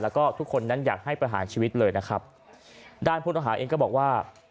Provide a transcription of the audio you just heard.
แล้วก็ทุกคนนั้นอยากให้ประหารชีวิตเลยนะครับด้านผู้ต้องหาเองก็บอกว่า